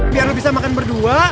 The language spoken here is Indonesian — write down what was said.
biar bisa makan berdua